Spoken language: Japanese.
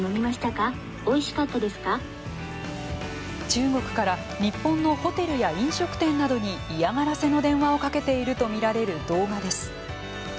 中国から日本のホテルや飲食店などに嫌がらせの電話をかけていると見られる動画です。